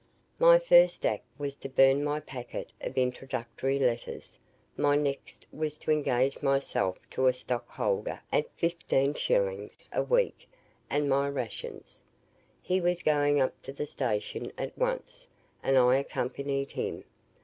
"My first act was to burn my packet of introductory letters, my next was to engage myself to a stock holder at 15s. a week and my rations. He was going up to his station at once, and I accompanied him.